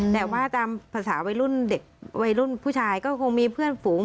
แต่ว่าตามภาษาวัยรุ่นเด็กวัยรุ่นผู้ชายก็คงมีเพื่อนฝูง